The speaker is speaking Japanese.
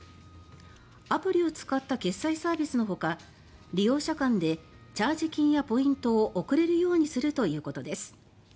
アプリを使った決済サービスのほか利用者間でチャージ金やポイントを送れるようにするということです。